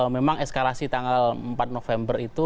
memang eskalasi tanggal empat november itu